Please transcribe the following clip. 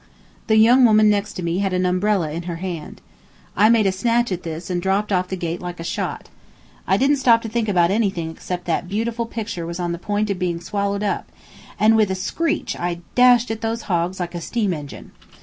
The young woman next to me had an umbrella in her hand. I made a snatch at this and dropped off that gate like a shot. I didn't stop to think about anything except that beautiful picture was on the point of being swallowed up, and with a screech I dashed at those hogs like a steam engine.